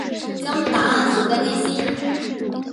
将答案锁在内心